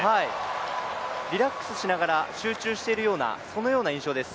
リラックスしながら集中しているような印象です。